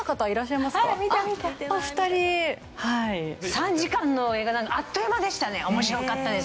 ３時間の映画あっという間でしたね面白かったです。